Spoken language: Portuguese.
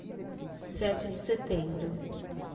Sete de Setembro